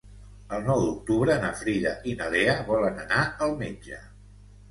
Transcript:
El nou d'octubre na Frida i na Lea volen anar al metge.